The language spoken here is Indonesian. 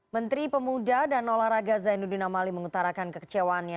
menteri pemuda dan nolah raga zainuddin amali mengutarakan kekecewaannya